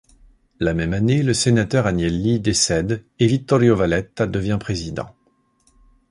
La même année, le sénateur Agnelli décède et Vittorio Valletta devient président.